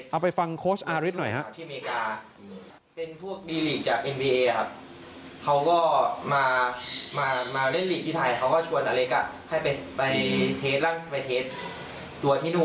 เอาไปฟังโค้ชอาริสหน่อยครับ